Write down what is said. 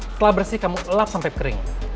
setelah bersih kamu elap sampai kering